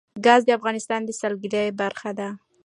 ګاز د افغانستان د سیلګرۍ برخه ده.